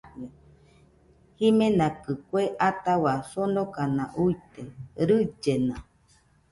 Jimenakɨ kue atahua sonokana uite, rillena